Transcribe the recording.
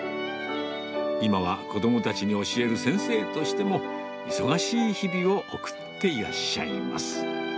今は子どもたちに教える先生としても、忙しい日々を送っていらっしゃいます。